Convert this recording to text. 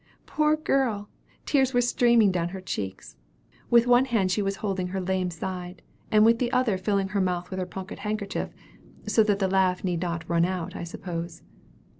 Poor girl! tears were streaming down her cheeks. With one hand she was holding her lame side, and with the other filling her mouth with her pocket handkerchief, that the laugh need not run out, I suppose.